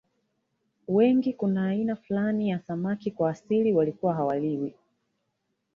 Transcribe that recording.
wengi kuna aina fulani ya samaki kwa asili walikuwa hawaliwi